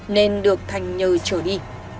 nên được thành nhờ trở đi